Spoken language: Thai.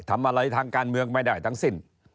ทำอะไรทางการเมืองไม่ได้ทั้งสิ้น